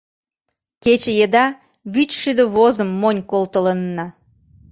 Кече еда вичшӱдӧ возым монь колтылынна.